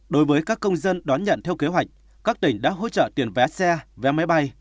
đối với các công dân đón nhận theo kế hoạch các tỉnh đã hỗ trợ tiền vé xe vé máy bay